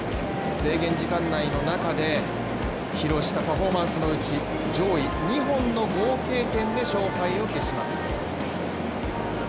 制限時間内の中で披露したパフォーマンスのうち上位２本の合計点で勝敗を決します。